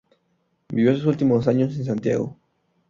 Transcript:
Vivió sus últimos años en Santiago.